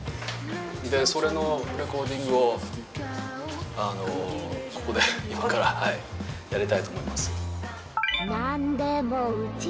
でそれのレコーディングをここで今からやりたいと思います。